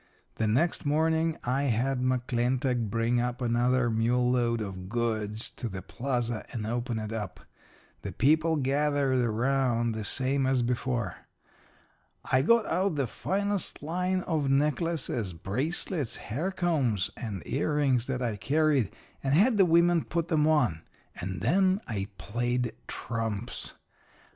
"The next morning I had McClintock bring up another mule load of goods to the plaza and open it up. The people gathered around the same as before. "I got out the finest line of necklaces, bracelets, hair combs, and earrings that I carried, and had the women put 'em on. And then I played trumps.